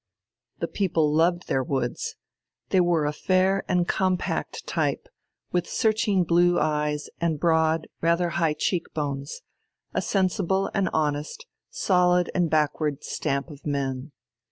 The people loved their woods. They were a fair and compact type, with searching blue eyes and broad, rather high cheek bones, a sensible and honest, solid and backward stamp of men.